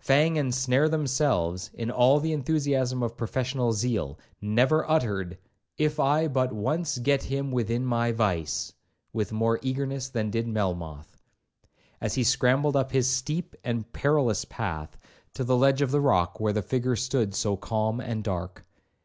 Fang and Snare1 themselves, in all the enthusiasm of professional zeal, never uttered, 'if I but once get him within my vice,' with more eagerness than did Melmoth, as he scrambled up his steep and perilous path, to the ledge of the rock where the figure stood so calm and dark.